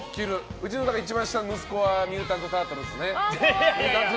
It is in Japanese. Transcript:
一番下の息子はミュータント・タートルズね。